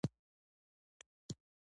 دا دومره سخت کار نه دی